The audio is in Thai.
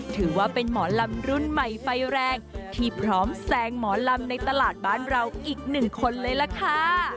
ถือว่าเป็นหมอลำรุ่นใหม่ไฟแรงที่พร้อมแซงหมอลำในตลาดบ้านเราอีกหนึ่งคนเลยล่ะค่ะ